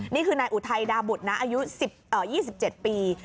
นี่คือนายอุทัยดาบุตรนะอายุ๒๗ปี